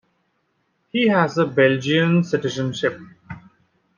He has a Belgian citizenship.